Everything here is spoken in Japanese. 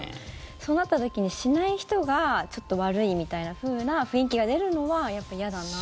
そうなった時に、しない人がちょっと悪いみたいなふうな雰囲気が出るのはやっぱり嫌だなと。